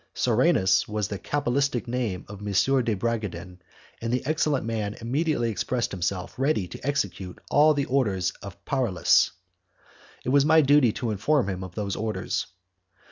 Serenus was the cabalistic name of M. de Bragadin, and the excellent man immediately expressed himself ready to execute all the orders of Paralis. It was my duty to inform him of those orders.